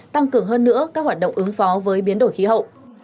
tăng cường hơn nữa các hoạt động ứng phó với biến đổi khí hậu